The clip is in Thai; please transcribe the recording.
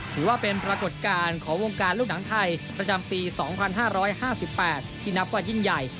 ถือว่าเป็นปรากฏการณ์ของวงการลูกหนังไทยประจำปี๒๕๕๘ที่นับว่ายิ่งใหญ่